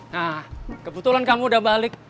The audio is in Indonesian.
nah kebetulan kamu udah balik